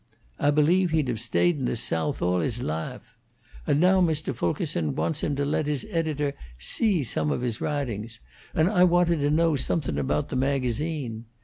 Ah believe he'd have stayed in the Soath all his lahfe. And now Mr. Fulkerson wants him to let his editor see some of his wrahtings, and Ah wanted to know something aboat the magazine.